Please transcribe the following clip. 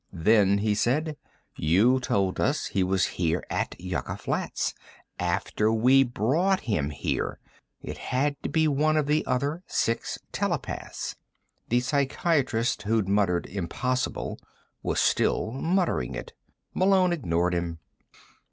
"Then," he said, "you told us he was here at Yucca Flats after we brought him here! It had to be one of the other six telepaths." The psychiatrist who'd muttered: "Impossible," was still muttering it. Malone ignored him.